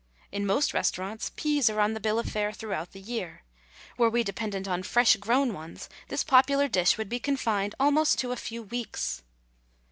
In most restaurants peas are on the bill of fare throughout the year. Were we dependent upon fresh grown ones, this popular dish would be confined almost to a few weeks.